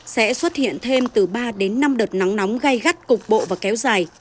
sẽ xuất hiện thêm từ ba đến năm đợt nắng nóng gai gắt cục bộ và kéo dài